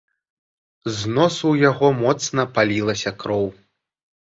З носу ў яго моцна палілася кроў.